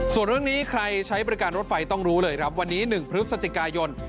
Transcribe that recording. ส่วนเรื่องนี้ใครใช้บริการรถไฟต้องรู้เลยครับวันนี้๑พฤศจิกายน